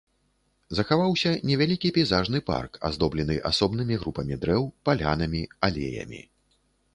Захаваўся невялікі пейзажны парк, аздоблены асобнымі групамі дрэў, палянамі, алеямі.